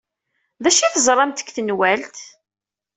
D acu ay teẓramt deg tanwalt?